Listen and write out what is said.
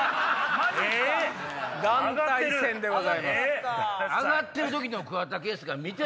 団体戦でございます。